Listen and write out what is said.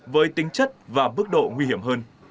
với tính chất và bước độ nguy hiểm hơn